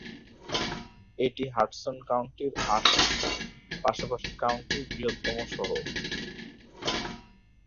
এটি হাডসন কাউন্টির আসন, পাশাপাশি কাউন্টির বৃহত্তম শহর।